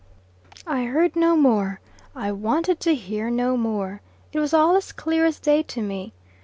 "I heard no more. I wanted to hear no more; it was all as clear as day to me.